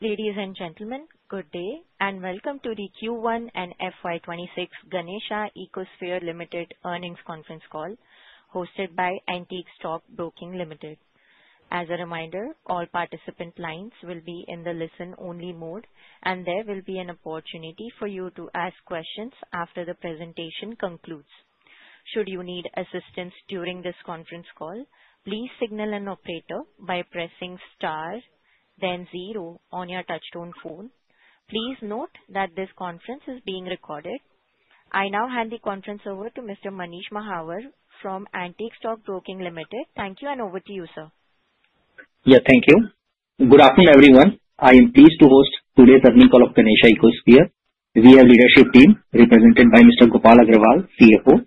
Ladies and gentlemen, good day and welcome to the Q1 and FY26 Ganesha Ecosphere Limited earnings conference call hosted by Antique Stock Broking Limited. As a reminder, all participant lines will be in the listen-only mode, and there will be an opportunity for you to ask questions after the presentation concludes. Should you need assistance during this conference call, please signal an operator by pressing star, then zero on your touch-tone phone. Please note that this conference is being recorded. I now hand the conference over to Mr. Manish Mahawar from Antique Stock Broking Limited. Thank you, and over to you, sir. Yeah, thank you. Good afternoon, everyone. I am pleased to host today's earnings call of Ganesha Ecosphere. We have a leadership team represented by Mr. Gopal Agrawal, CFO,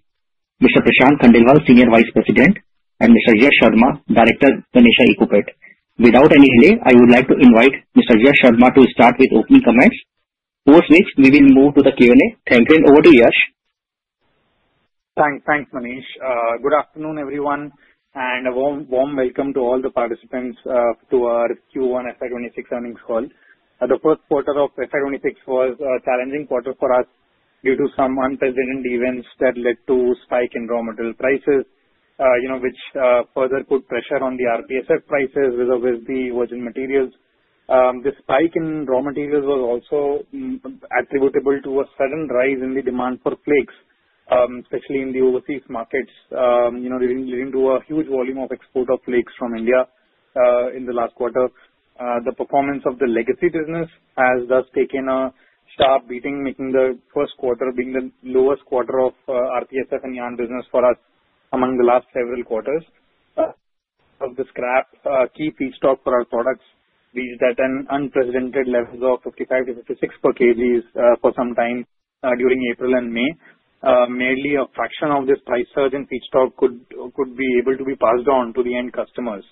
Mr. Prashant Khandelwal, Senior Vice President, and Mr. Yash Sharma, Director, Ganesha Ecopet. Without any delay, I would like to invite Mr. Yash Sharma to start with opening comments, post which we will move to the Q&A. Thank you, and over to Yash. Thanks, Manish. Good afternoon, everyone, and a warm, warm welcome to all the participants to our Q1 FY26 earnings call. The first quarter of FY26 was a challenging quarter for us due to some unprecedented events that led to a spike in raw material prices, which further put pressure on the RPSF prices as well as the virgin materials. The spike in raw materials was also attributable to a sudden rise in the demand for flakes, especially in the overseas markets, leading to a huge volume of export of flakes from India in the last quarter. The performance of the legacy business has thus taken a sharp beating, making the first quarter the lowest quarter of RPSF and yarn business for us among the last several quarters. Of the scrap, key feedstock for our products reached at an unprecedented level of 55-56 per kg for some time during April and May. Merely a fraction of this price surge in feedstock could be able to be passed on to the end customers,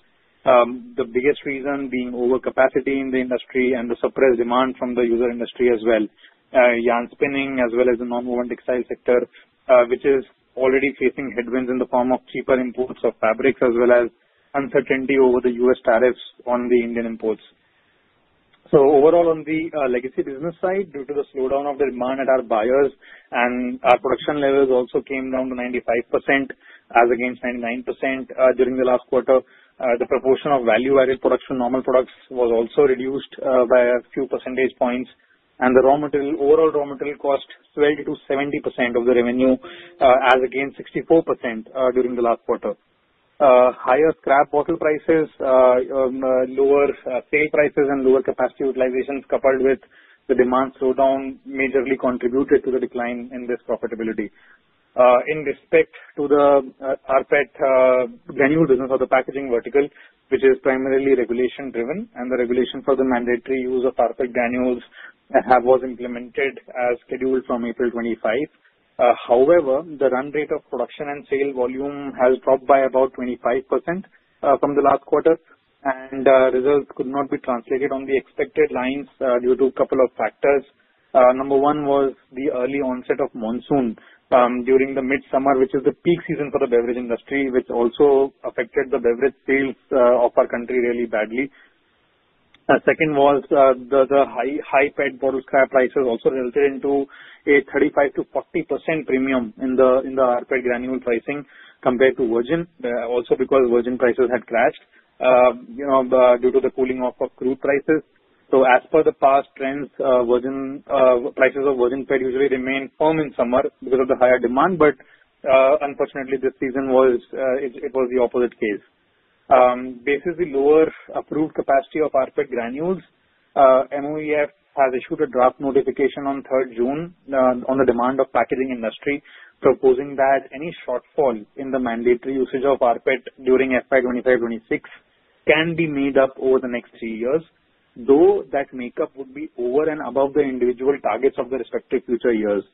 the biggest reason being overcapacity in the industry and the suppressed demand from the user industry as well. Yarn spinning, as well as the non-woven textile sector, which is already facing headwinds in the form of cheaper imports of fabrics, as well as uncertainty over the US tariffs on the Indian imports. So overall, on the legacy business side, due to the slowdown of the demand at our buyers, our production levels also came down to 95%, as against 99% during the last quarter. The proportion of value-added production, normal products, was also reduced by a few percentage points, and the overall raw material cost swelled to 70% of the revenue, as against 64% during the last quarter. Higher scrap bottle prices, lower sale prices, and lower capacity utilization, coupled with the demand slowdown, majorly contributed to the decline in this profitability. In respect to the RPET granule business of the packaging vertical, which is primarily regulation-driven, and the regulation for the mandatory use of RPET granules was implemented as scheduled from April 25. However, the run rate of production and sale volume has dropped by about 25% from the last quarter, and results could not be translated on the expected lines due to a couple of factors. Number one was the early onset of monsoon during the mid-summer, which is the peak season for the beverage industry, which also affected the beverage sales of our country really badly. Second was the high PET bottle scrap prices also resulted in a 35%-40% premium in the RPET granule pricing compared to virgin, also because virgin prices had crashed due to the cooling of crude prices, so as per the past trends, prices of virgin PET usually remain firm in summer because of the higher demand, but unfortunately, this season it was the opposite case. Basically, lower approved capacity of RPET granules. MOEF has issued a draft notification on 3rd June on the demand of the packaging industry, proposing that any shortfall in the mandatory usage of RPET during FY25-26 can be made up over the next three years, though that makeup would be over and above the individual targets of the respective future years.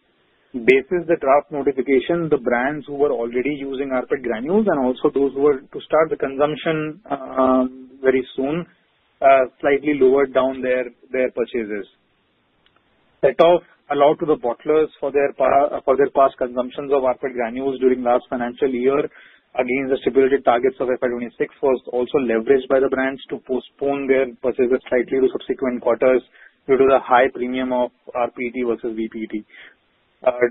Based on the draft notification, the brands who were already using RPET granules and also those who were to start the consumption very soon slightly lowered down their purchases. Set off allowed to the bottlers for their past consumptions of RPET granules during the last financial year against the stipulated targets of FY26 was also leveraged by the brands to postpone their purchases slightly to subsequent quarters due to the high premium of RPET versus VPET.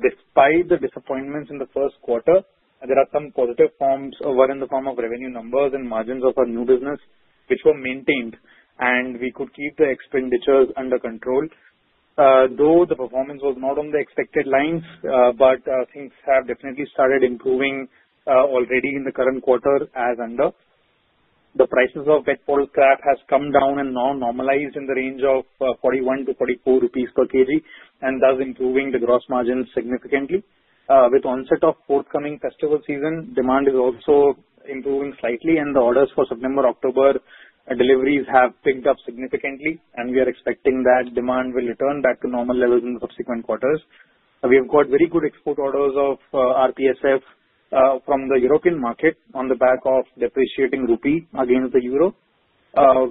Despite the disappointments in the first quarter, there are some positive forms in the form of revenue numbers and margins of our new business, which were maintained, and we could keep the expenditures under control. Though the performance was not on the expected lines, things have definitely started improving already in the current quarter as under. The prices of PET bottle scrap have come down and now normalized in the range of 41-44 rupees per kg, and thus improving the gross margin significantly. With the onset of forthcoming festival season, demand is also improving slightly, and the orders for September-October deliveries have picked up significantly, and we are expecting that demand will return back to normal levels in the subsequent quarters. We have got very good export orders of RPSF from the European market on the back of depreciating rupee against the euro.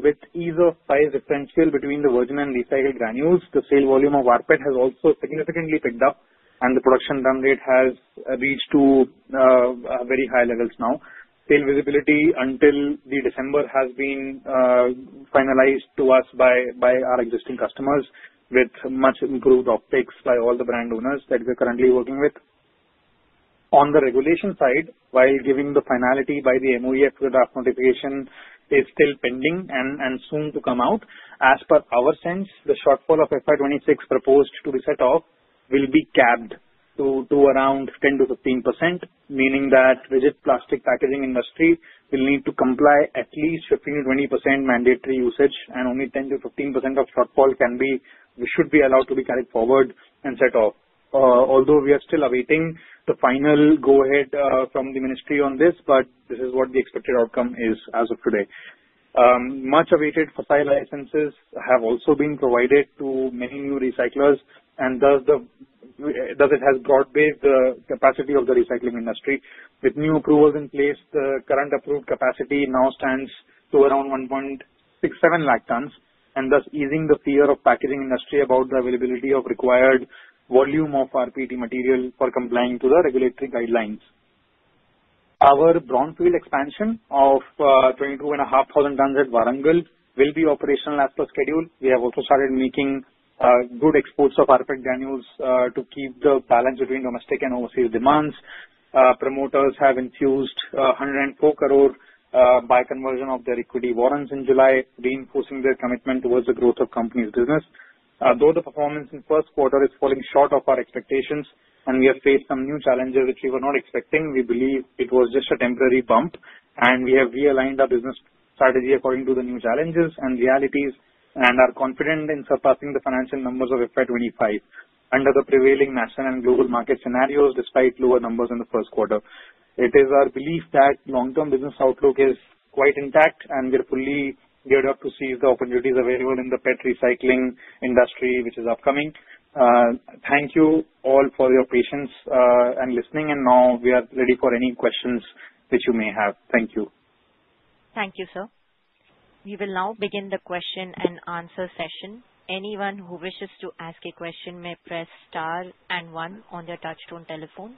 With ease of price differential between the virgin and recycled granules, the sale volume of RPET has also significantly picked up, and the production run rate has reached very high levels now. Sale visibility until December has been finalized to us by our existing customers, with much improved offtakes by all the brand owners that we are currently working with. On the regulation side, while giving the finality by the MOEF, the draft notification is still pending and soon to come out. As per our sense, the shortfall of FY26 proposed to be set off will be capped to around 10%-15%, meaning that rigid plastic packaging industry will need to comply at least 15%-20% mandatory usage, and only 10%-15% of shortfall should be allowed to be carried forward and set off. Although we are still awaiting the final go-ahead from the ministry on this, this is what the expected outcome is as of today. Much-awaited FSSAI licenses have also been provided to many new recyclers, and thus it has broad-based the capacity of the recycling industry. With new approvals in place, the current approved capacity now stands to around 1.67 lakh tons, and thus easing the fear of the packaging industry about the availability of required volume of RPET material for complying to the regulatory guidelines. Our brownfield expansion of 22,500 tons at Warangal will be operational as per schedule. We have also started making good exports of RPET granules to keep the balance between domestic and overseas demands. Promoters have infused 104 crore by conversion of their equity warrants in July, reinforcing their commitment towards the growth of the company's business. Though the performance in the first quarter is falling short of our expectations, and we have faced some new challenges which we were not expecting, we believe it was just a temporary bump, and we have realigned our business strategy according to the new challenges and realities, and are confident in surpassing the financial numbers of FY25 under the prevailing national and global market scenarios, despite lower numbers in the first quarter. It is our belief that the long-term business outlook is quite intact, and we are fully geared up to seize the opportunities available in the PET recycling industry, which is upcoming. Thank you all for your patience and listening, and now we are ready for any questions that you may have. Thank you. Thank you, sir. We will now begin the question and answer session. Anyone who wishes to ask a question may press star and one on their touch-tone telephone.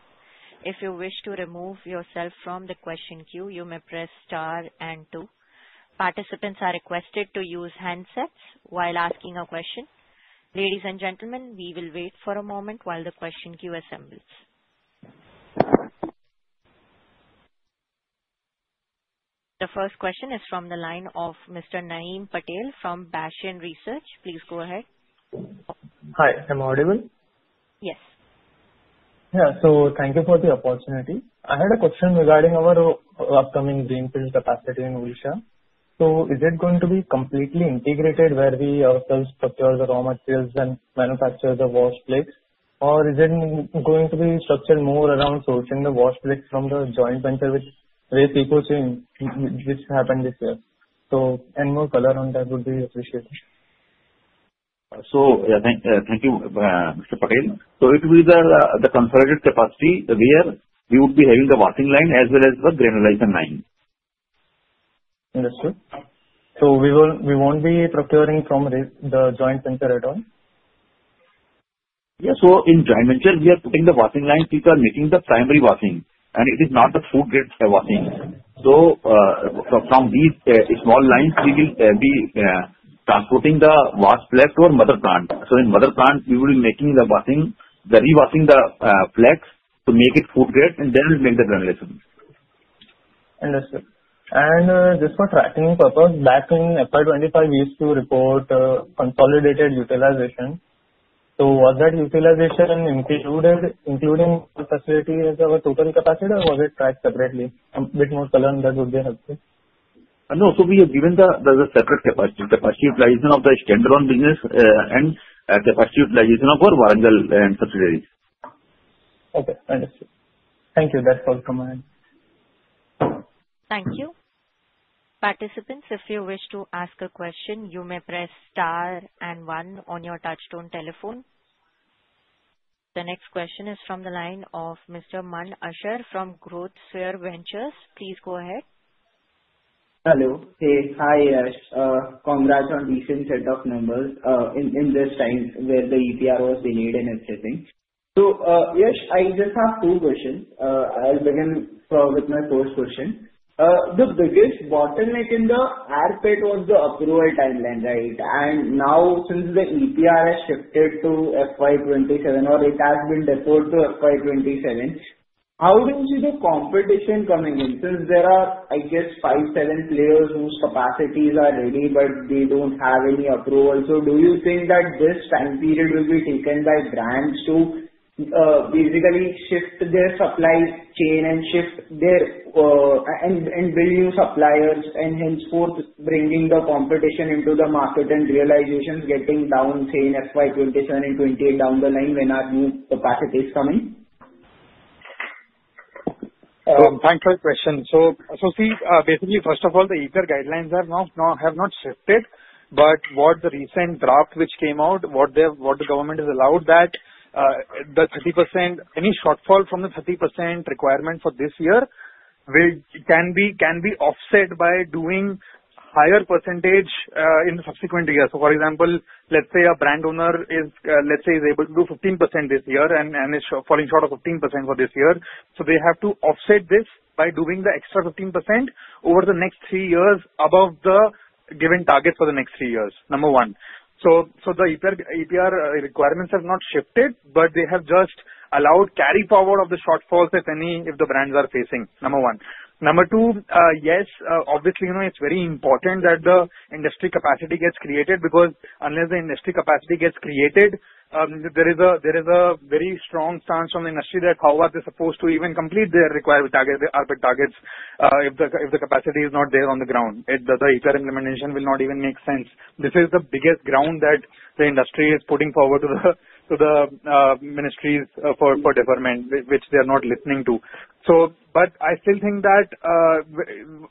If you wish to remove yourself from the question queue, you may press star and two. Participants are requested to use handset while asking a question. Ladies and gentlemen, we will wait for a moment while the question queue assembles. The first question is from the line of Mr. Naeem Patel from Bastion Research. Please go ahead. Hi, am I audible? Yes. Yeah, so thank you for the opportunity. I had a question regarding our upcoming greenfield capacity in Warangal. So is it going to be completely integrated where we ourselves procure the raw materials and manufacture the washed flakes, or is it going to be structured more around sourcing the washed flakes from the joint venture with EcoChain, which happened this year? So any more color on that would be appreciated. Thank you, Mr. Patel. It will be the consolidated capacity where we would be having the washing line as well as the granulation line. Understood. So we won't be procuring from the joint venture at all? Yeah, so in joint venture, we are putting the washing line to start making the primary washing, and it is not the food-grade washing. So from these small lines, we will be transporting the washed flakes to our mother plant. So in mother plant, we will be making the washing, the rewashing the flakes to make it food-grade, and then we'll make the granulation. Understood. And just for tracking purpose, back in FY25, we used to report consolidated utilization. So was that utilization included facility as our total capacity, or was it tracked separately? A bit more color on that would be helpful. No, so we have given the separate capacity utilization of the standalone business and capacity utilization of our Warangal subsidiaries. Okay, understood. Thank you. That's all from my end. Thank you. Participants, if you wish to ask a question, you may press star and one on your touch-tone telephone. The next question is from the line of Mr. Mann Ashar from GrowthSphere Ventures. Please go ahead. Hello. Hi, Yash. Congrats on a decent set of numbers in this time where the EPR was delayed and everything. So Yash, I just have two questions. I'll begin with my first question. The biggest bottleneck in the RPET was the approval timeline, right? And now, since the EPR has shifted to FY27, or it has been deferred to FY27, how do you see the competition coming in? Since there are, I guess, five, seven players whose capacities are ready, but they don't have any approval, so do you think that this time period will be taken by brands to basically shift their supply chain and shift their and bring new suppliers, and henceforth bringing the competition into the market and realizations getting down, say, in FY27 and 28 down the line when our new capacity is coming? Thank you for the question. So basically, first of all, the EPR guidelines have not shifted, but what the recent draft which came out, what the government has allowed, that the 30% any shortfall from the 30% requirement for this year can be offset by doing a higher percentage in the subsequent years. So for example, let's say a brand owner, let's say, is able to do 15% this year and is falling short of 15% for this year, so they have to offset this by doing the extra 15% over the next three years above the given target for the next three years, number one. So the EPR requirements have not shifted, but they have just allowed carry-forward of the shortfalls if the brands are facing, number one. Number two, yes, obviously, it's very important that the industry capacity gets created because unless the industry capacity gets created, there is a very strong stance from the industry that how are they supposed to even complete their required targets, the RPET targets, if the capacity is not there on the ground. The EPR implementation will not even make sense. This is the biggest ground that the industry is putting forward to the ministries for deferment, which they are not listening to. But I still think that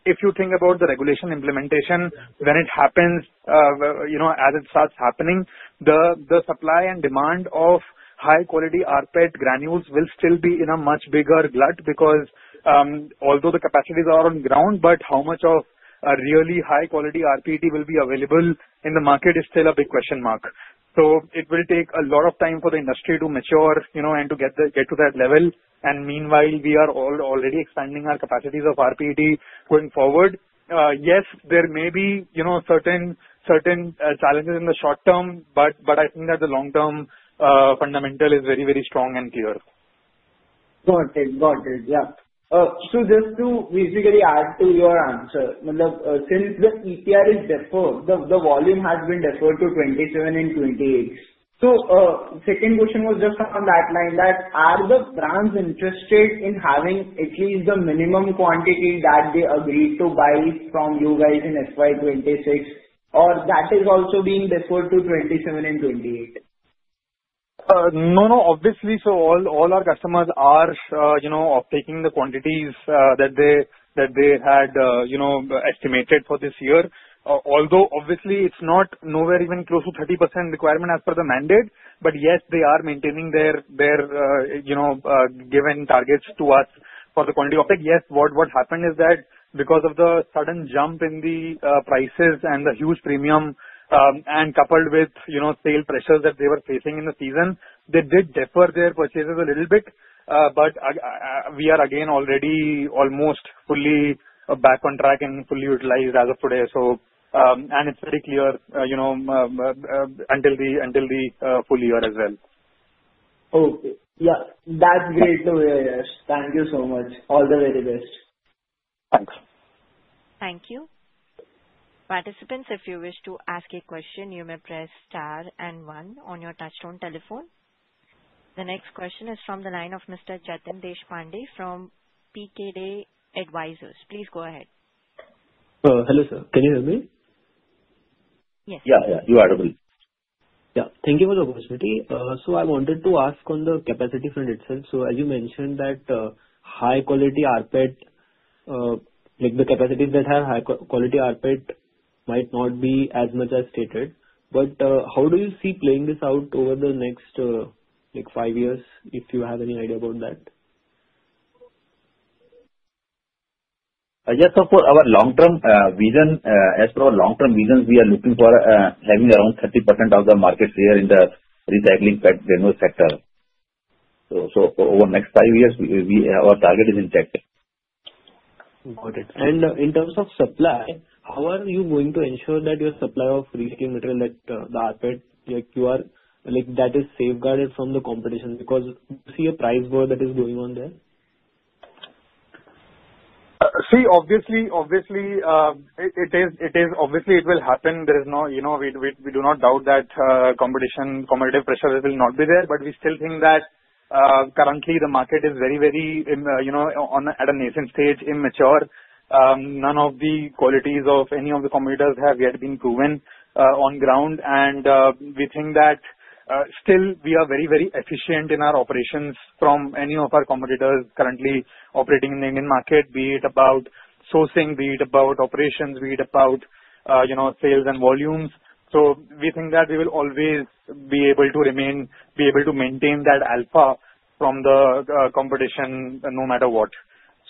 if you think about the regulation implementation, when it happens, as it starts happening, the supply and demand of high-quality RPET granules will still be in a much bigger glut because although the capacities are on the ground, how much of really high-quality RPET will be available in the market is still a big question mark. So it will take a lot of time for the industry to mature and to get to that level, and meanwhile, we are already expanding our capacities of RPET going forward. Yes, there may be certain challenges in the short term, but I think that the long-term fundamental is very, very strong and clear. Got it. Got it. Yeah, so just to basically add to your answer, since the EPR is deferred, the volume has been deferred to 27 and 28, so second question was just on that line, that are the brands interested in having at least the minimum quantity that they agreed to buy from you guys in FY26, or that is also being deferred to 27 and 28? No, no. Obviously, so all our customers are taking the quantities that they had estimated for this year. Although, obviously, it's not nowhere even close to 30% requirement as per the mandate, but yes, they are maintaining their given targets to us for the quantity of RPET. Yes, what happened is that because of the sudden jump in the prices and the huge premium, and coupled with sales pressures that they were facing in the season, they did defer their purchases a little bit, but we are again already almost fully back on track and fully utilized as of today, and it's pretty clear until the full year as well. Okay. Yeah. That's great to hear, Yash. Thank you so much. All the very best. Thanks. Thank you. Participants, if you wish to ask a question, you may press star and one on your touch-tone telephone. The next question is from the line of Mr. Jatin Pandey from PKD Advisors. Please go ahead. Hello, sir. Can you hear me? Yes. Yeah, yeah. You are doable. Yeah. Thank you for the opportunity. So I wanted to ask on the capacity front itself. So as you mentioned, that high-quality RPET, the capacities that have high-quality RPET might not be as much as stated. But how do you see playing this out over the next five years if you have any idea about that? Yes, so for our long-term vision, as per our long-term vision, we are looking for having around 30% of the market share in the recycling sector, so over the next five years, our target is intact. Got it. And in terms of supply, how are you going to ensure that your supply of recycling material, that the RPET, that is safeguarded from the competition because you see a price war that is going on there? See, obviously, it is obviously it will happen. We do not doubt that competitive pressure will not be there, but we still think that currently the market is very, very at a nascent stage, immature. None of the qualities of any of the competitors have yet been proven on the ground, and we think that still we are very, very efficient in our operations from any of our competitors currently operating in the Indian market, be it about sourcing, be it about operations, be it about sales and volumes. So we think that we will always be able to remain, be able to maintain that alpha from the competition no matter what.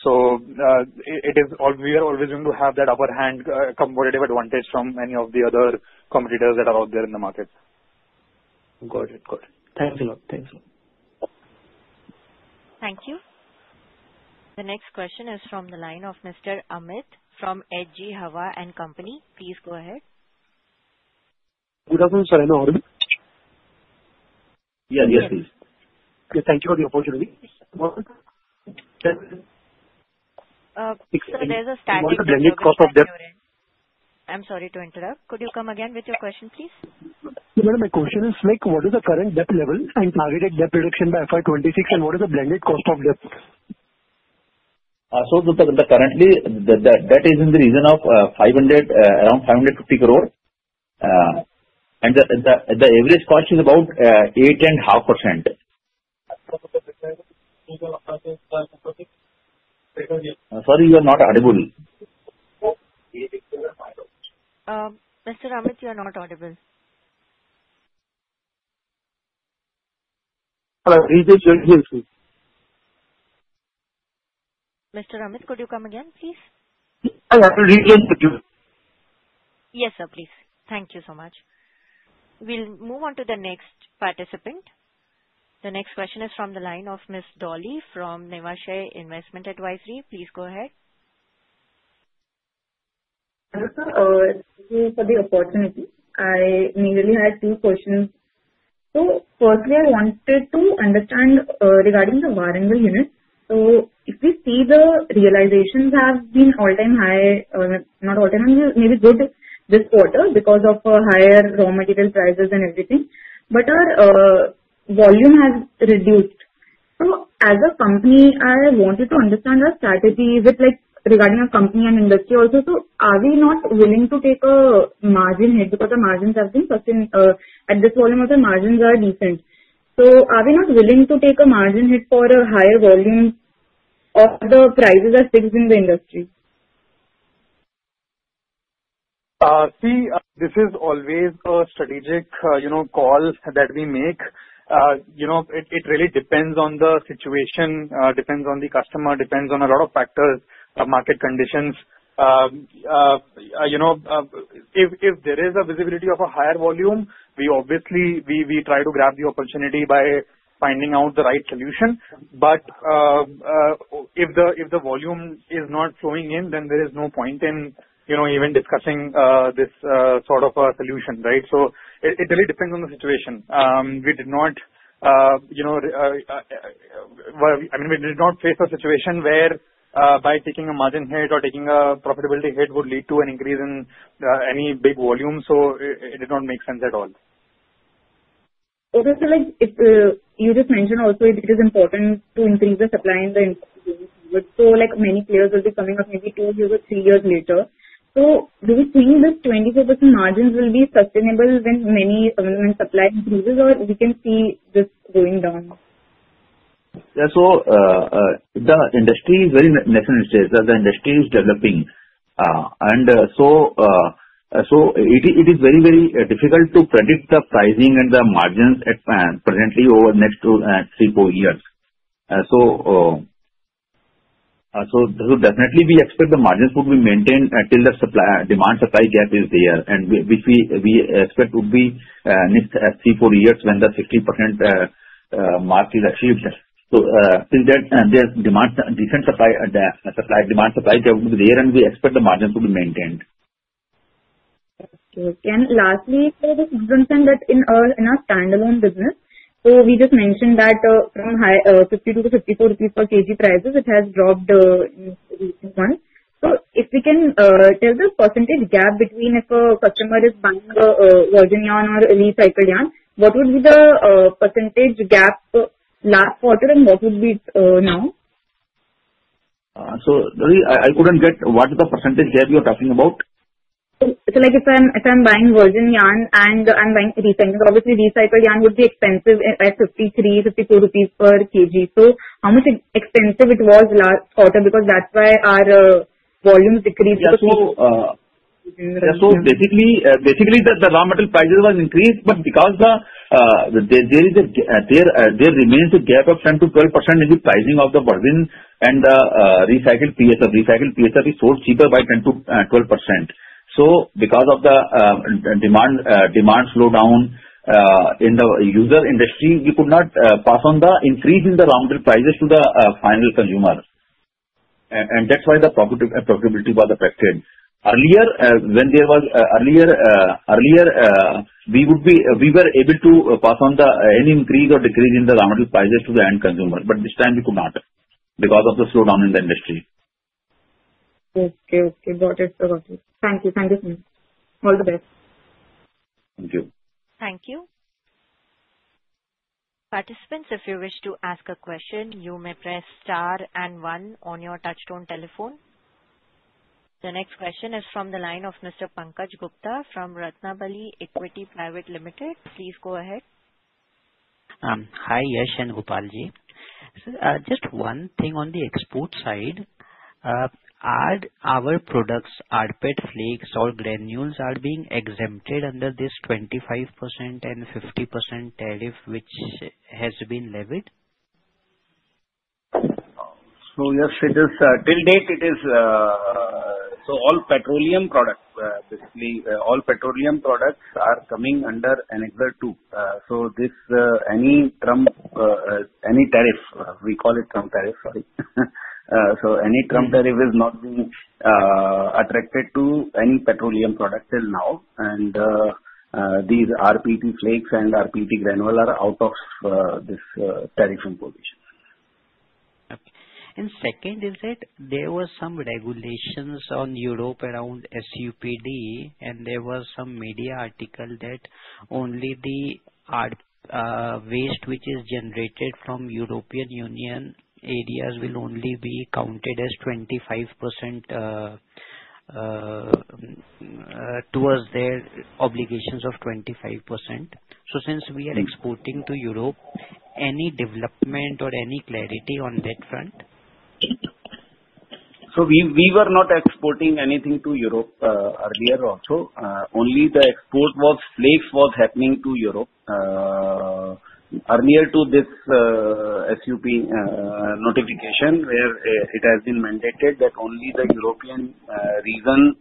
So we are always going to have that upper hand, competitive advantage from any of the other competitors that are out there in the market. Got it. Got it. Thanks a lot. Thanks a lot. Thank you. The next question is from the line of Mr. Amit from Edha & Company. Please go ahead. Good afternoon, sir. I'm Aurobin. Yeah, yes, please. Thank you for the opportunity. So, there's a statement that you're in. I'm sorry to interrupt. Could you come again with your question, please? So, madam, my question is, what is the current debt level and targeted debt reduction by FY26, and what is the blended cost of debt? So currently, the debt is in the region of around 550 crore, and the average cost is about 8.5%. Sorry, you are not audible. Mr. Amit, you are not audible. Hello. Mr. Amit, could you come again, please? I have to rejoin with you. Yes, sir, please. Thank you so much. We'll move on to the next participant. The next question is from the line of Ms. Dolly from Niveshaay Investment Advisory. Please go ahead. Hello, sir. Thank you for the opportunity. I merely had two questions. So firstly, I wanted to understand regarding the Warangal unit. So if we see the realizations have been all-time high, not all-time high, maybe good this quarter because of higher raw material prices and everything, but our volume has reduced. So as a company, I wanted to understand the strategy regarding our company and industry also. So are we not willing to take a margin hit because our margins have been at this volume, our margins are decent? So are we not willing to take a margin hit for a higher volume or the prices are fixed in the industry? See, this is always a strategic call that we make. It really depends on the situation, depends on the customer, depends on a lot of factors, market conditions. If there is a visibility of a higher volume, we obviously try to grab the opportunity by finding out the right solution. But if the volume is not flowing in, then there is no point in even discussing this sort of a solution, right? So it really depends on the situation. We did not, I mean, we did not face a situation where by taking a margin hit or taking a profitability hit would lead to an increase in any big volume. So it did not make sense at all. It is like you just mentioned also. It is important to increase the supply in the industry. So many players will be coming up maybe two years or three years later. So do you think this 24% margin will be sustainable when many supply increases, or we can see this going down? Yeah, so the industry is very necessary. The industry is developing, and so it is very, very difficult to predict the pricing and the margins presently over the next three, four years, so definitely, we expect the margins would be maintained until the demand-supply gap is there, and which we expect would be next three, four years when the 60% mark is achieved, so till then, the demand-supply gap would be there, and we expect the margins to be maintained. Lastly, there is this concern that in our standalone business. We just mentioned that from 52-54 rupees per kg prices, it has dropped in recent months. If we can tell the percentage gap between if a customer is buying a virgin yarn or a recycled yarn, what would be the percentage gap last quarter, and what would be now? So I couldn't get what is the percentage gap you're talking about? So if I'm buying virgin yarn and I'm buying recycled, obviously, recycled yarn would be expensive at 53-54 rupees per kg. So how much expensive it was last quarter because that's why our volume decreased? Yeah, so basically, the raw material prices were increased, but because there remains a gap of 10%-12% in the pricing of the virgin and the recycled PSF. Recycled PSF is sold cheaper by 10%-12%. So because of the demand slowdown in the user industry, we could not pass on the increase in the raw material prices to the final consumer. And that's why the profitability was affected. Earlier, we were able to pass on any increase or decrease in the raw material prices to the end consumer, but this time we could not because of the slowdown in the industry. Okay. Okay. Got it. Thank you. Thank you so much. All the best. Thank you. Thank you. Participants, if you wish to ask a question, you may press star and one on your touch-tone telephone. The next question is from the line of Mr. Pankaj Gupta from Ratnabali Equity Private Limited. Please go ahead. Hi, Yash and Gopalji. Just one thing on the export side. Are our products, RPET flakes or granules, being exempted under this 25% and 50% tariff, which has been levied? So yes, till date, it is so all petroleum products, basically, all petroleum products are coming under Annex II. So any tariff, we call it Trump tariff, sorry. So any Trump tariff is not being attracted to any petroleum product till now, and these RPET flakes and RPET granules are out of this tariff imposition. And second is that there were some regulations on Europe around SUPD, and there were some media articles that only the waste which is generated from European Union areas will only be counted as 25% towards their obligations of 25%. So since we are exporting to Europe, any development or any clarity on that front? We were not exporting anything to Europe earlier also. Only the export of flakes was happening to Europe earlier to this SUP notification where it has been mandated that only the European region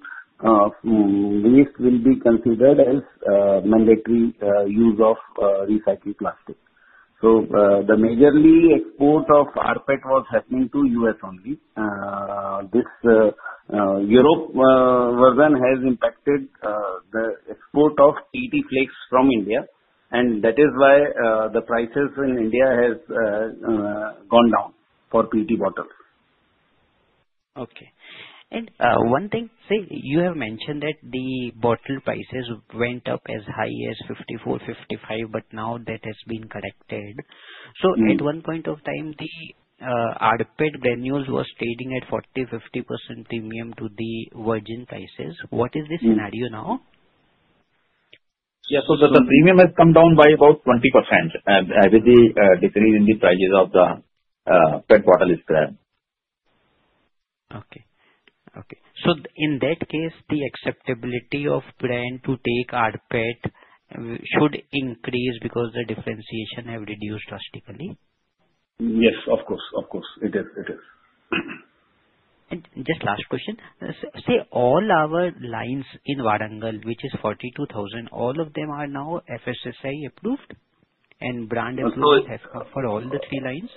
waste will be considered as mandatory use of recycled plastic. The major export of RPET was happening to US only. This Europe version has impacted the export of PET flakes from India, and that is why the prices in India have gone down for PET bottles. Okay. And one thing, see, you have mentioned that the bottle prices went up as high as 54, 55, but now that has been corrected. So at one point of time, the RPET granules were trading at 40-50% premium to the virgin prices. What is the scenario now? Yeah. So the premium has come down by about 20% with the decrease in the prices of the PET bottle itself. Okay. So in that case, the acceptability of brand to take RPET should increase because the differentiation has reduced drastically? Yes, of course. Of course. It is. It is. Just last question. See, all our lines in Warangal, which is 42,000, all of them are now FSSAI approved and brand approved for all the three lines?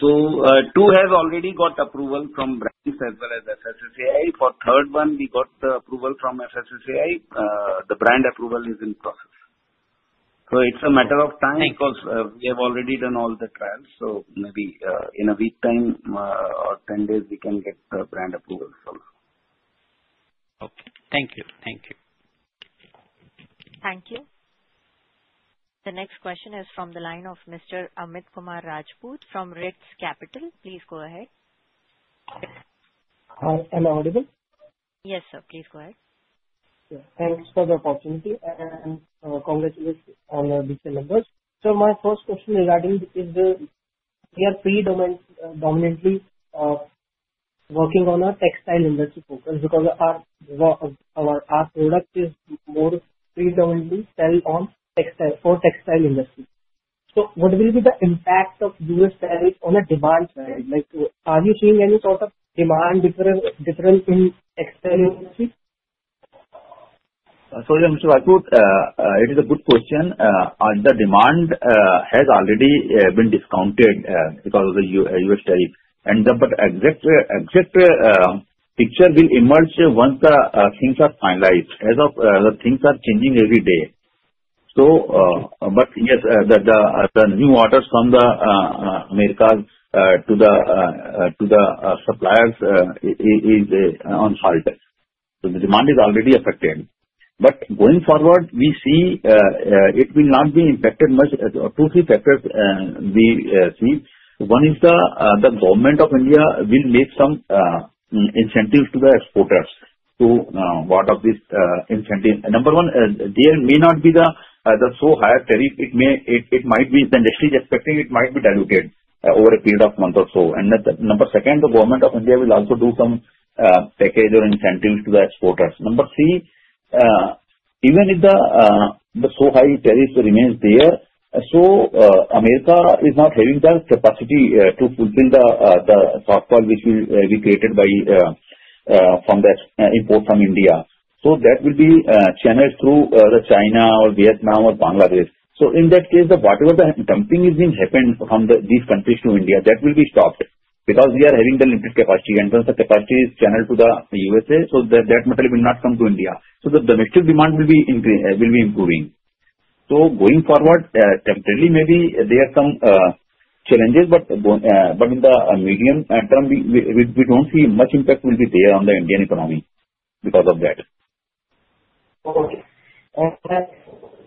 So two have already got approval from brands as well as FSSAI. For the third one, we got the approval from FSSAI. The brand approval is in process. So it's a matter of time because we have already done all the trials. So maybe in a week's time or 10 days, we can get the brand approval also. Okay. Thank you. Thank you. Thank you. The next question is from the line of Mr. Amit Kumar Rajput from Ritz Capital. Please go ahead. Hi. Am I audible? Yes, sir. Please go ahead. Thanks for the opportunity and congratulations on the detailed numbers. So my first question regarding is we are predominantly working on a textile industry focus because our product is more predominantly sell on textile for textile industry. So what will be the impact of U.S. tariff on a demand side? Are you seeing any sort of demand difference in textile industry? Sorry, Mr. Rajput, it is a good question. The demand has already been discounted because of the US tariff. But the exact picture will emerge once the things are finalized. As of the things are changing every day. But yes, the new orders from the Americas to the suppliers are on hold. So the demand is already affected. But going forward, we see it will not be impacted much. Two or three factors we see. One is the Government of India will make some incentives to the exporters to one of these incentives. Number one, there may not be the so high tariff. It might be the industry is expecting it might be diluted over a period of months or so. And number second, the Government of India will also do some package or incentives to the exporters. Number three, even if the so high tariff remains there, so America is not having the capacity to fulfill the shortfall which will be created from the import from India. So that will be channeled through China or Vietnam or Bangladesh. So in that case, whatever the dumping has been happened from these countries to India, that will be stopped because we are having the limited capacity. And once the capacity is channeled to the USA, so that material will not come to India. So the domestic demand will be improving. So going forward, temporarily, maybe there are some challenges, but in the medium term, we don't see much impact will be there on the Indian economy because of that. Okay. And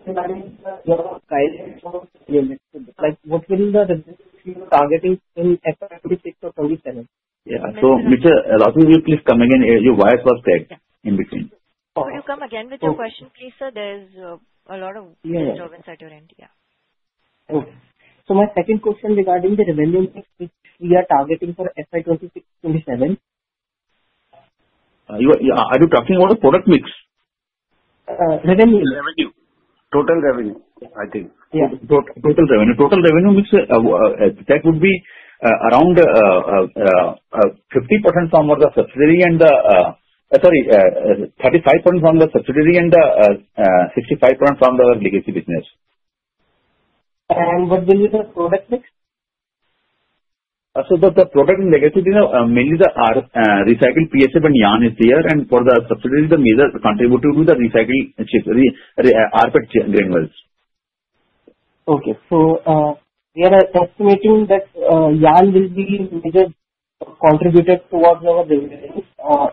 regarding your guidance for the next year, what will be the domestic target in FY26 or FY27? Yeah. So Mr. Rajput, will you please come again? Your voice was cut in between. Can you come again with your question, please, sir? There's a lot of disturbance at your end. Yeah. Okay. So my second question regarding the revenue mix which we are targeting for FY26, FY27? Are you talking about the product mix? Revenue. Revenue. Total revenue mix, that would be around 50% from the subsidiary and... sorry, 35% from the subsidiary and 65% from the legacy business. What will be the product mix? So the product and legacy business, mainly the recycled PSF and yarn is there. And for the subsidiary, the major contributor to the recycled RPET granules. Okay, so we are estimating that yarn will be major contributor towards our revenue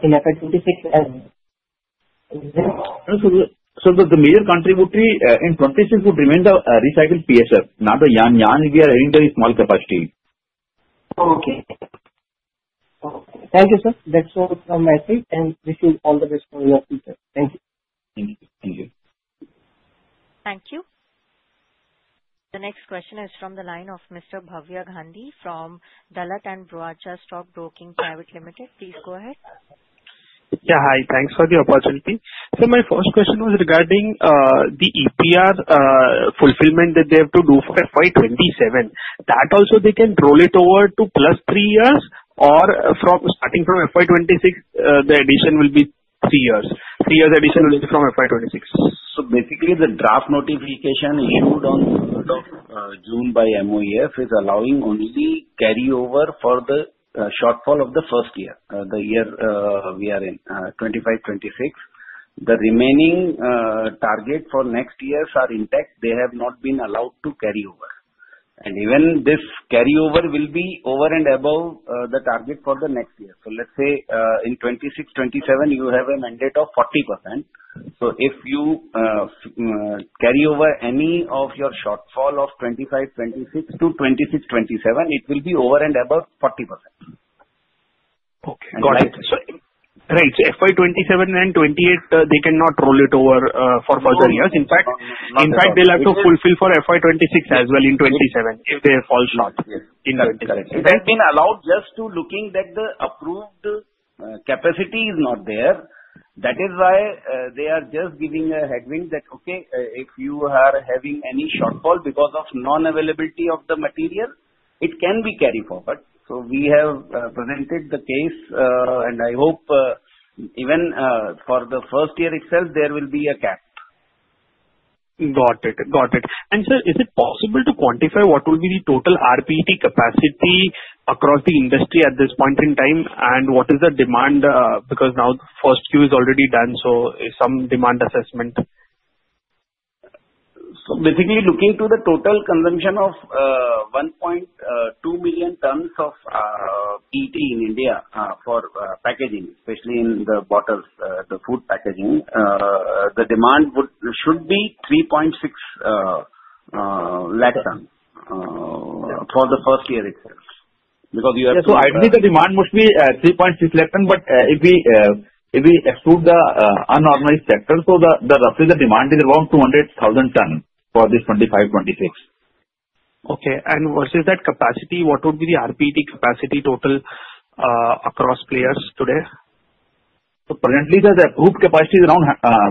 in FY26 and. So the major contributory in 26 would remain the recycled PSF, not the yarn. Yarn, we are having very small capacity. Okay. Thank you, sir. That's all from my side, and wish you all the best for your future. Thank you. Thank you. Thank you. Thank you. The next question is from the line of Mr. Bhavya Gandhi from Dalal & Broacha Stock Broking Private Limited. Please go ahead. Yeah. Hi. Thanks for the opportunity. So my first question was regarding the EPR fulfillment that they have to do for FY27. That also, they can roll it over to plus three years or starting from FY26, the addition will be three years. Three years addition will be from FY26. So basically, the draft notification issued on June by MOEF is allowing only carryover for the shortfall of the first year, the year we are in, 2025, 2026. The remaining target for next years are intact. They have not been allowed to carry over. And even this carryover will be over and above the target for the next year. So let's say in 2026, 2027, you have a mandate of 40%. So if you carry over any of your shortfall of 2025, 2026 to 2026, 2027, it will be over and above 40%. Okay. Got it. Right, so FY27 and 28, they cannot roll it over for further years. In fact, they'll have to fulfill for FY26 as well in 27 if they fall short in 26. Correct. They've been allowed just to look that the approved capacity is not there. That is why they are just giving a head start that, okay, if you are having any shortfall because of non-availability of the material, it can be carried forward. So we have presented the case, and I hope even for the first year itself, there will be a cap. Got it. Got it, and sir, is it possible to quantify what will be the total RPET capacity across the industry at this point in time and what is the demand? Because now the first Q is already done, so some demand assessment. So basically, looking to the total consumption of 1.2 million tons of PET in India for packaging, especially in the bottles, the food packaging, the demand should be 3.6 lakh tons for the first year itself because you have to. Yeah. So ideally, the demand must be 3.6 lakh tons, but if we exclude the unorganized sector, so roughly the demand is around 200,000 tons for this 25, 26. Okay. And versus that capacity, what would be the RPET capacity total across players today? Currently, the approved capacity is around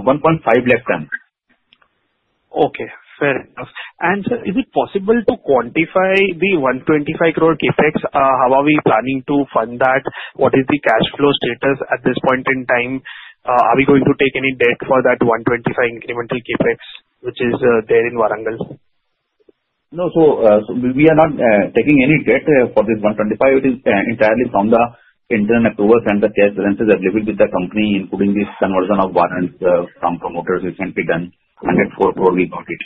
1.5 lakh tons. Okay. Fair enough. And sir, is it possible to quantify the 125 crore CapEx? How are we planning to fund that? What is the cash flow status at this point in time? Are we going to take any debt for that 125 incremental CapEx, which is there in Warangal? No. So we are not taking any debt for this 125. It is entirely from the internal accruals and the cash balances available with the company, including this conversion of warrants from promoters recently done. 104 crore, we got it.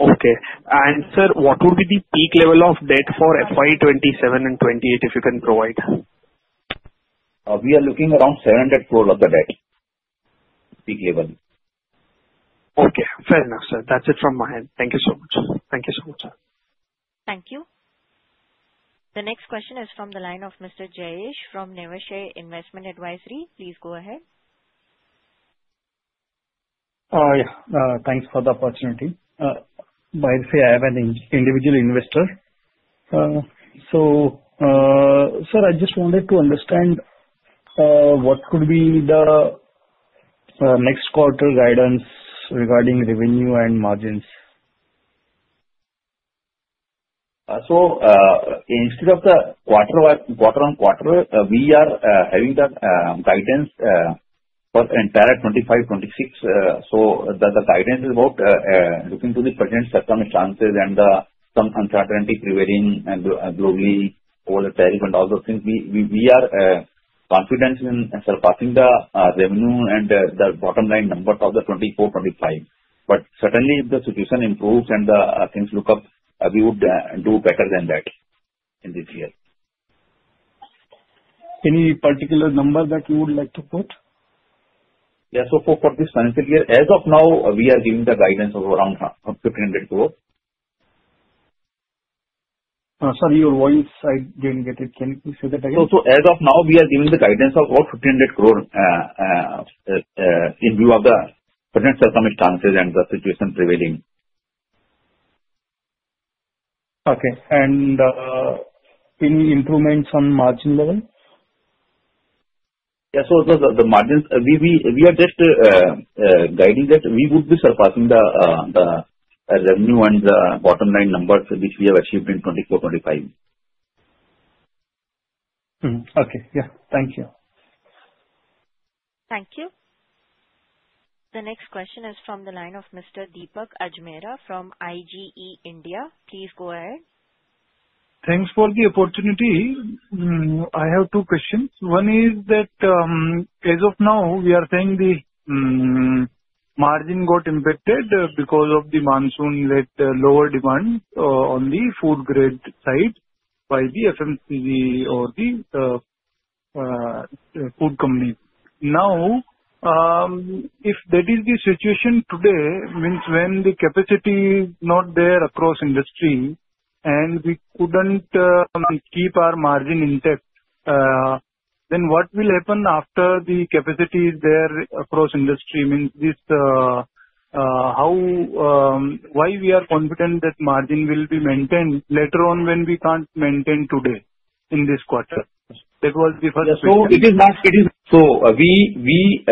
Okay. And sir, what would be the peak level of debt for FY27 and 28, if you can provide? We are looking around 700 crore of the debt, peak level. Okay. Fair enough, sir. That's it from my end. Thank you so much. Thank you so much, sir. Thank you. The next question is from the line of Mr. Jayesh from Niveshaay Investment Advisory. Please go ahead. Yeah. Thanks for the opportunity. By the way, I am an individual investor. So sir, I just wanted to understand what could be the next quarter guidance regarding revenue and margins? So, instead of the quarter on quarter, we are having that guidance for entire 2025, 2026. So the guidance is about looking to the present circumstances and some uncertainty prevailing globally over the tariff and all those things. We are confident in surpassing the revenue and the bottom line number of the 2024, 2025. But certainly, if the situation improves and the things look up, we would do better than that in this year. Any particular number that you would like to put? Yeah, so for this financial year, as of now, we are giving the guidance of around INR 1,500 crore. Sorry, your voice. I didn't get it. Can you say that again? As of now, we are giving the guidance of about INR 1,500 crore in view of the present circumstances and the situation prevailing. Okay. And any improvements on margin level? Yeah. So the margins, we are just guiding that we would be surpassing the revenue and the bottom line numbers which we have achieved in 2024, 2025. Okay. Yeah. Thank you. Thank you. The next question is from the line of Mr. Deepak Ajmera from IGE India. Please go ahead. Thanks for the opportunity. I have two questions. One is that as of now, we are saying the margin got impacted because of the monsoon-led lower demand on the food-grade side by the FMCG or the food companies. Now, if that is the situation today, means when the capacity is not there across industry and we couldn't keep our margin intact, then what will happen after the capacity is there across industry? Means why we are confident that margin will be maintained later on when we can't maintain today in this quarter? That was the first question. So it is. So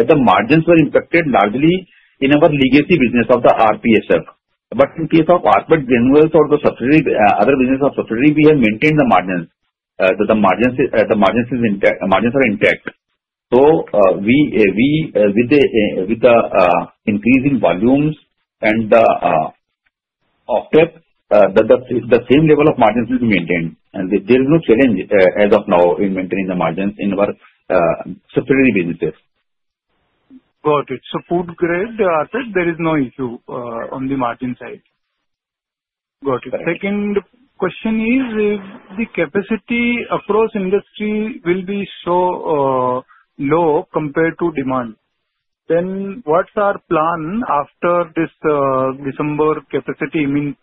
the margins were impacted largely in our legacy business of the RPSF. But in case of RPET granules or the other business of subsidiary, we have maintained the margins. The margins are intact. So with the increase in volumes and the offtake, the same level of margins will be maintained. And there is no challenge as of now in maintaining the margins in our subsidiary businesses. Got it. So food-grade, there is no issue on the margin side. Got it. Second question is, if the capacity across industry will be so low compared to demand, then what's our plan after this December capacity? I mean,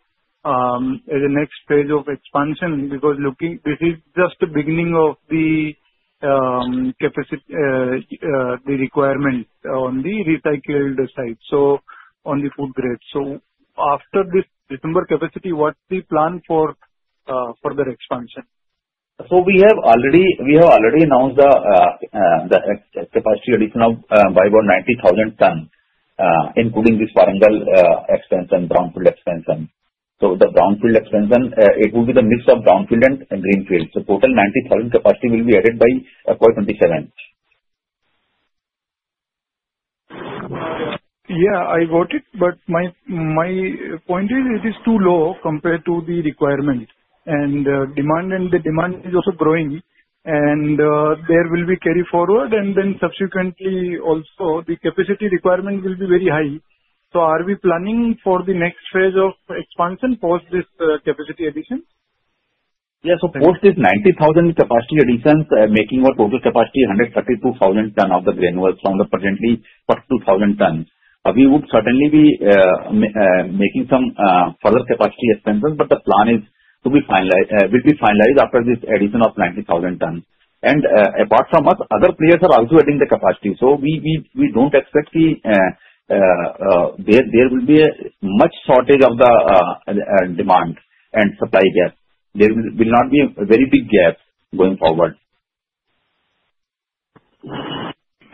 the next phase of expansion because this is just the beginning of the requirement on the recycled side, so on the food-grade. So after this December capacity, what's the plan for further expansion? We have already announced the capacity addition of about 90,000 tons, including this Warangal expansion, brownfield expansion. The brownfield expansion, it will be the mix of brownfield and greenfield. Total 90,000 capacity will be added by FY27. Yeah. I got it. But my point is, it is too low compared to the requirement. And the demand is also growing. And there will be carry forward. And then subsequently, also, the capacity requirement will be very high. So are we planning for the next phase of expansion post this capacity addition? Yeah, so post this 90,000 capacity addition, making our total capacity 132,000 tons of the granules from the presently 42,000 tons. We would certainly be making some further capacity expansions, but the plan will be finalized after this addition of 90,000 tons, and apart from us, other players are also adding the capacity, so we don't expect there will be much shortage of the demand and supply gap. There will not be a very big gap going forward.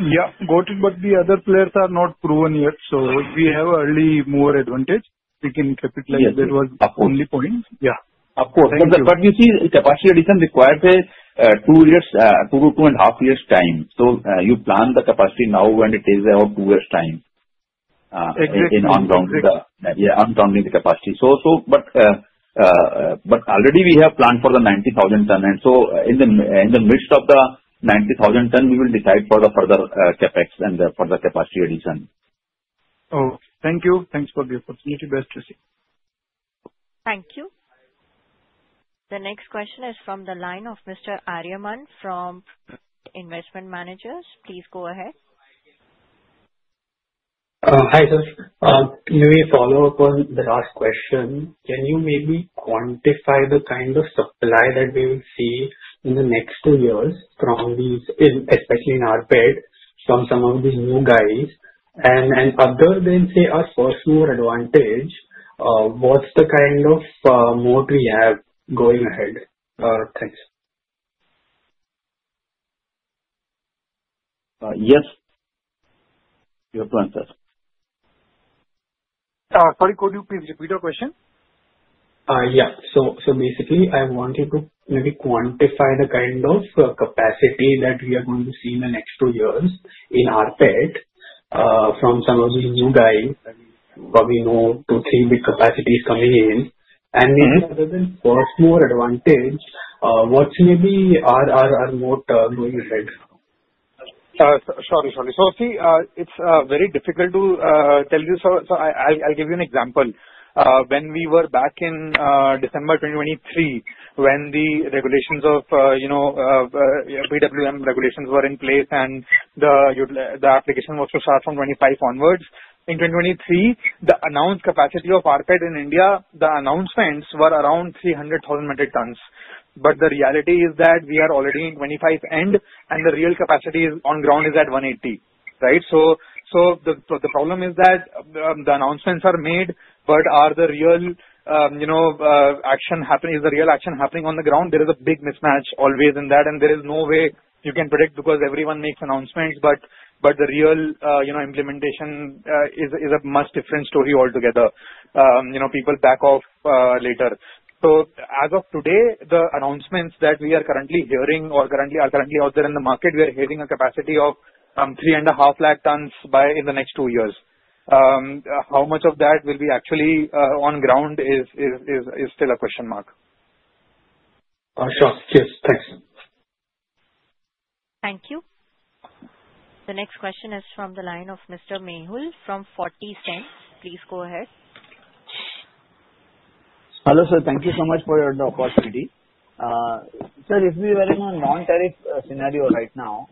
Yeah. Got it. But the other players are not proven yet. So we have early mover advantage. We can capitalize. That was the only point. Yeah. Of course. But you see, capacity addition required two to two and a half years' time. So you plan the capacity now, and it is about two years' time on grounding the capacity. But already, we have planned for the 90,000 tons. And so in the midst of the 90,000 tons, we will decide for the further CapEx and further capacity addition. Oh. Thank you. Thanks for the opportunity. Best wishes. Thank you. The next question is from the line of Mr. Aryaman from Investment Managers. Please go ahead. Hi, sir. Maybe a follow-up on the last question. Can you maybe quantify the kind of supply that we will see in the next two years from these, especially in RPET, from some of these new guys? And other than say our first mover advantage, what's the kind of moat we have going ahead? Thanks. Yes. You have to answer. Sorry, could you please repeat your question? Yeah. So basically, I wanted to maybe quantify the kind of capacity that we are going to see in the next two years in RPET from some of these new guys. I mean, probably now two, three big capacities coming in. And maybe other than first mover advantage, what maybe are our moat going ahead? Sorry, sorry. So see, it's very difficult to tell you. So I'll give you an example. When we were back in December 2023, when the regulations of PWM regulations were in place and the application was to start from 2025 onwards, in 2023, the announced capacity of RPET in India, the announcements were around 300,000 metric tons. But the reality is that we are already in 2025 end, and the real capacity on ground is at 180, right? So the problem is that the announcements are made, but is the real action happening on the ground? There is a big mismatch always in that, and there is no way you can predict because everyone makes announcements, but the real implementation is a much different story altogether. People back off later. As of today, the announcements that we are currently hearing or are currently out there in the market, we are hearing a capacity of 3.5 lakh tons by in the next two years. How much of that will be actually on ground is still a question mark. Sure. Yes. Thanks. Thank you. The next question is from the line of Mr. Mehul from 40 Cents. Please go ahead. Hello sir. Thank you so much for the opportunity. Sir, if we were in a non-tariff scenario right now,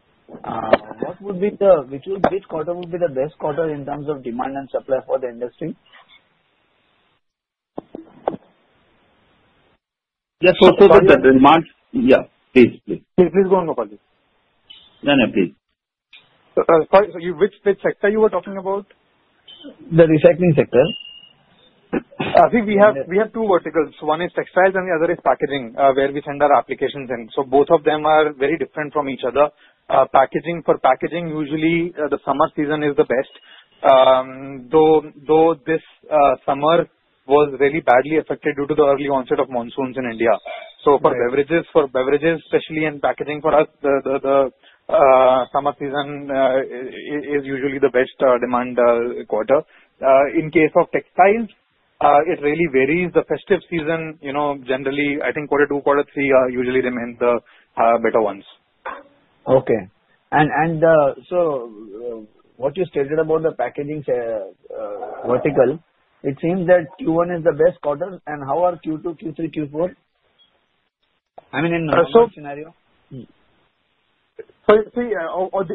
which quarter would be the best quarter in terms of demand and supply for the industry? Yes. So the demand yeah. Please, please. Please, please go on, Gopal. No, no. Please. Sorry, which sector you were talking about? The recycling sector. I think we have two verticals. One is textiles, and the other is packaging where we send our applications in. So both of them are very different from each other. For packaging, usually the summer season is the best. Though this summer was really badly affected due to the early onset of monsoons in India. So for beverages, especially in packaging for us, the summer season is usually the best demand quarter. In case of textiles, it really varies. The festive season generally, I think quarter two, quarter three usually remain the better ones. Okay. And so what you stated about the packaging vertical, it seems that Q1 is the best quarter. And how are Q2, Q3, Q4? I mean, in normal scenario? So see,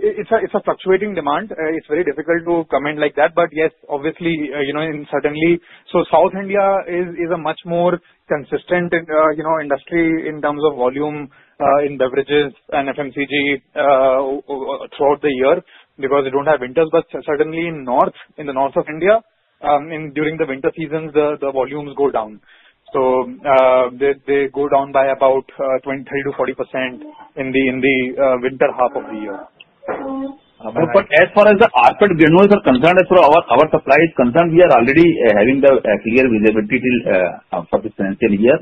it's a fluctuating demand. It's very difficult to comment like that. But yes, obviously, certainly. So South India is a much more consistent industry in terms of volume in beverages and FMCG throughout the year because they don't have winters. But certainly in the North India, during the winter seasons, the volumes go down. So they go down by about 30%-40% in the winter half of the year. But as far as the RPET granules are concerned, as for our supply is concerned, we are already having the clear visibility for this financial year.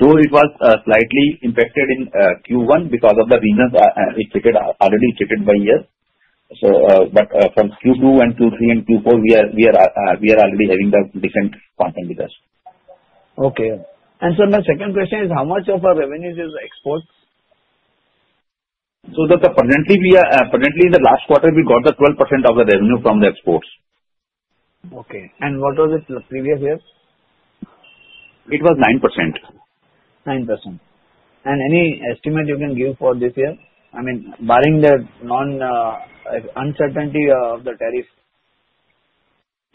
Though it was slightly impacted in Q1 because of the reasons already stated by you. But from Q2 and Q3 and Q4, we are already having the different content with us. Okay, and so my second question is, how much of our revenues is exports? So that's presently in the last quarter, we got the 12% of the revenue from the exports. Okay. And what was it the previous year? It was 9%. 9%. And any estimate you can give for this year? I mean, barring the uncertainty of the tariff.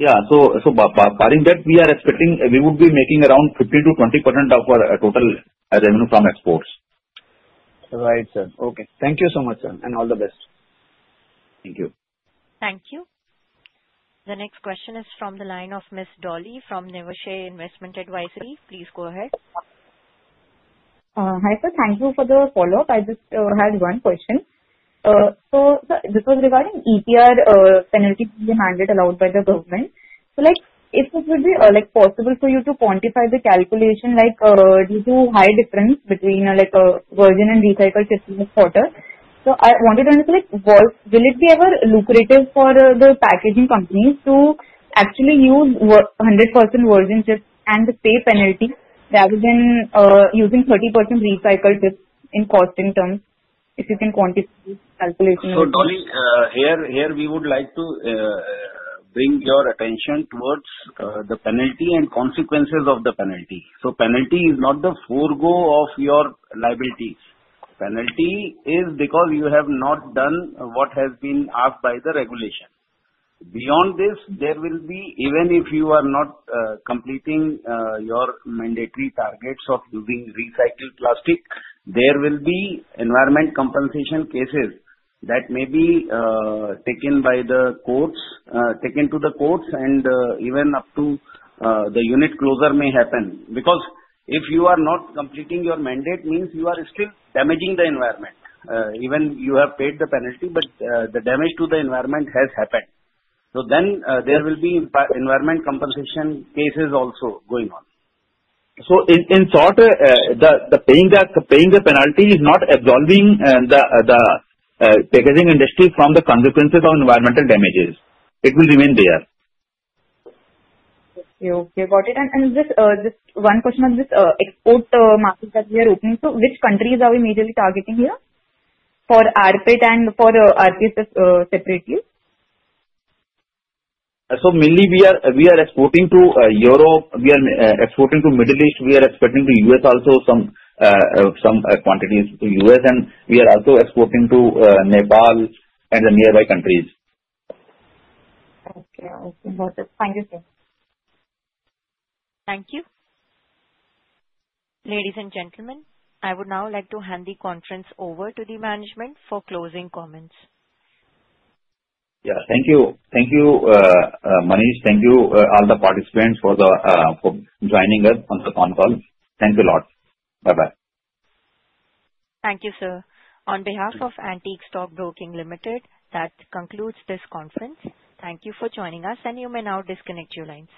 Yeah. So barring that, we are expecting we would be making around 15%-20% of our total revenue from exports. Right, sir. Okay. Thank you so much, sir. And all the best. Thank you. Thank you. The next question is from the line of Ms. Dolly from Niveshaay Investment Advisory. Please go ahead. Hi, sir. Thank you for the follow-up. I just had one question. So this was regarding EPR penalty mandated by the government. So if it would be possible for you to quantify the calculation of the high difference between virgin and recycled chips in this quarter? So I wanted to understand, will it ever be lucrative for the packaging companies to actually use 100% virgin chips and the same penalty rather than using 30% recycled chips in costing terms if you can quantify the calculation? Dolly, here we would like to bring your attention towards the penalty and consequences of the penalty. Penalty is not the forgo of your liability. Penalty is because you have not done what has been asked by the regulation. Beyond this, there will be, even if you are not completing your mandatory targets of using recycled plastic, there will be environmental compensation cases that may be taken by the courts, taken to the courts, and even up to the unit closure may happen. Because if you are not completing your mandate, it means you are still damaging the environment. Even if you have paid the penalty, but the damage to the environment has happened. Then there will be environmental compensation cases also going on. In short, paying the penalty is not absolving the packaging industry from the consequences of environmental damages. It will remain there. Okay. Got it. And just one question on this export market that we are opening. So which countries are we majorly targeting here for RPET and for RPSF separately? Mainly we are exporting to Europe. We are exporting to Middle East. We are exporting to the US also, some quantities to the US. We are also exporting to Nepal and the nearby countries. Okay. Thank you. Thank you. Ladies and gentlemen, I would now like to hand the conference over to the management for closing comments. Yeah. Thank you. Thank you, Manish. Thank you all the participants for joining us on the phone call. Thank you a lot. Bye-bye. Thank you, sir. On behalf of Antique Stock Broking Limited, that concludes this conference. Thank you for joining us, and you may now disconnect your lines.